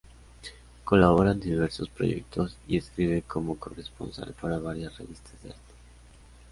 Colabora en diversos proyectos y escribe como corresponsal para varias revistas de arte.